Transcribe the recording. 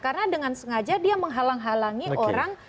karena dengan sengaja dia menghalang halangi orang